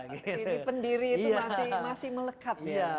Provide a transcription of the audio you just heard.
jadi pendiri itu masih melekat